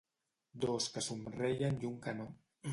Dos que somreien i un que no.